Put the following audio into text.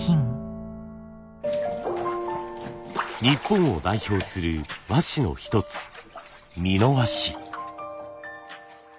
日本を代表する和紙の一つ美濃和紙。